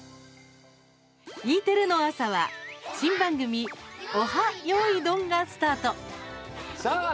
Ｅテレの朝は新番組「オハ！よいどん」がスタート。